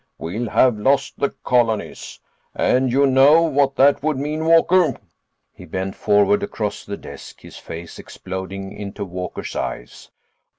We'll have lost the colonies. And you know what that would mean, Walker?" He bent forward across the desk, his face exploding into Walker's eyes.